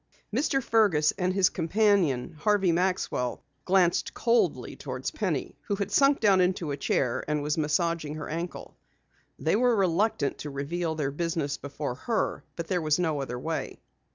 Mr. Fergus and his companion, Harvey Maxwell, glanced coldly toward Penny who had sunk down into a chair and was massaging her ankle. They were reluctant to reveal their business before her but there was no other way.